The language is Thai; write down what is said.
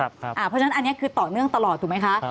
เพราะฉะนั้นอันนี้คือต่อเนื่องตลอดถูกไหมคะ